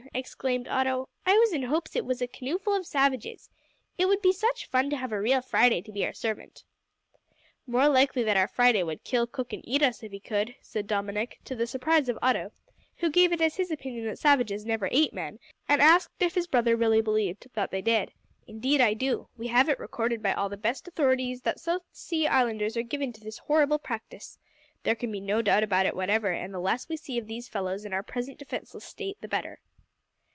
exclaimed Otto; "I was in hopes it was a canoeful of savages. It would be such fun to have a real Friday to be our servant." "More likely that our Friday would kill, cook, and eat us if he could," said Dominick, to the surprise of Otto, who gave it as his opinion that savages never ate men, and asked if his brother really believed that they did. "Indeed I do. We have it recorded by all the best authorities that South Sea islanders are given to this horrible practice. There can be no doubt about it whatever, and the less we see of these fellows in our present defenceless state the better."